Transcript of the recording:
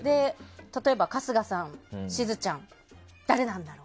例えば春日さん、しずちゃん誰なんだ？